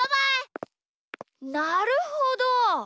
なるほど！